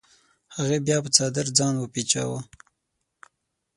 هغې بیا په څادر ځان وپیچوه.